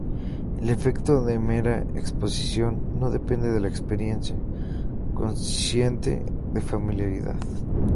El efecto de mera exposición no depende de la experiencia consciente de familiaridad.